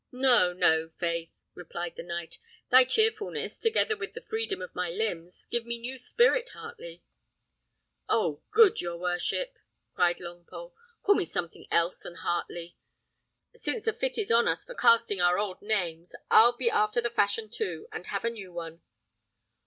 "No, no, faith!" replied the knight. "Thy cheerfulness, together with the freedom of my limbs, give me new spirit, Heartley." "Oh! good your worship," cried Longpole, "call me something else than Heartley. Since the fit is on us for casting our old names, I'll be after the fashion too, and have a new one."